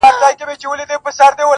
چي عطار دوکان ته راغی ډېر خپه سو!